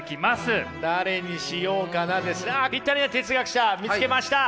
誰にしようかなあっぴったりな哲学者見つけました！